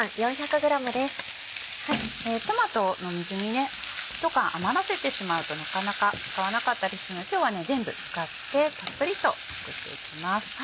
トマトの水煮１缶余らせてしまうとなかなか使わなかったりするので今日は全部使ってたっぷりと作っていきます。